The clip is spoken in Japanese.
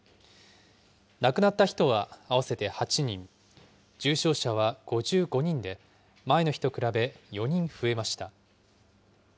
亡くなった人は合わせて８人、重症者は５５人で、前の日と比べ４人増えました。